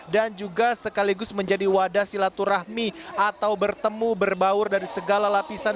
dan juga sekaligus menjadi wadah silaturahmi atau bertemu berbaur dari segala lapisan